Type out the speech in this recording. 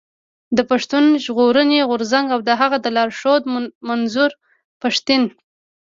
د پښتون ژغورني غورځنګ او د هغه د لارښود منظور پښتين.